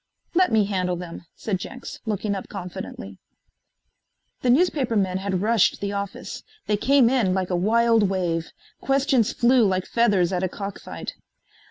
"Let me handle them," said Jenks, looking up confidently. The newspapermen had rushed the office. They came in like a wild wave. Questions flew like feathers at a cock fight.